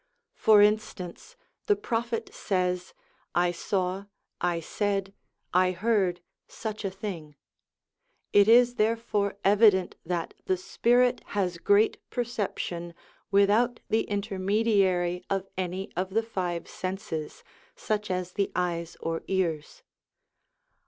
For instance, the Prophet says, ' I saw, I said, I heard such a thing.' It is therefore 292 SOME ANSWERED QUESTIONS evident that the spirit has great perception without the intermediary of any of the five senses, such as the eyes or ears.